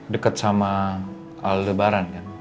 deket sama al lebaran kan